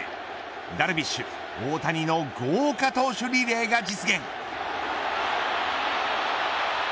ダルビッシュ、大谷の豪華投手リレーが実現。